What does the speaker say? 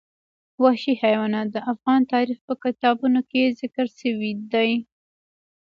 وحشي حیوانات د افغان تاریخ په کتابونو کې ذکر شوی دي.